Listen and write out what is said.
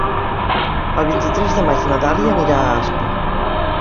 El vint-i-tres de maig na Dàlia anirà a Aspa.